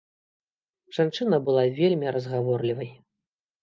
Жанчына была вельмі разгаворлівай.